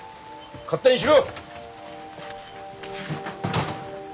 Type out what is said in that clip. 勝手にしろ！